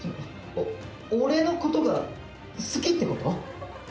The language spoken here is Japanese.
おっ俺のことが好きってこと？